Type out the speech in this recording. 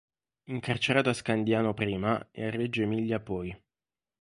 Incarcerato a Scandiano prima e a Reggio Emilia poi.